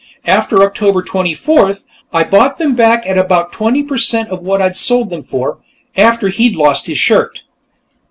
After October 24th, I bought them back at about twenty per cent of what I'd sold them for, after he'd lost his shirt."